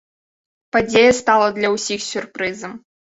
Падзея стала для ўсіх сюрпрызам.